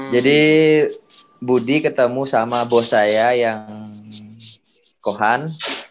jadi budi ketemu sama bos saya yang kohan